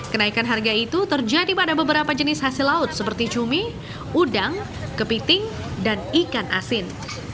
kenaikan harga itu terjadi pada beberapa jenis hasil laut seperti cumi udang kepiting dan ikan asin